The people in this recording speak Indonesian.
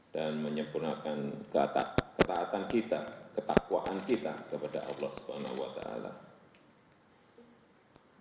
dan menyempurnakan ketaatan kita ketakwaan kita kepada allah swt